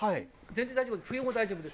全然大丈夫。